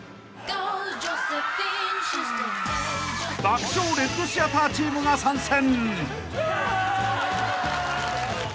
［『爆笑レッドシアター』チームが参戦］